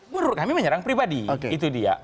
menurut kami menyerang pribadi itu dia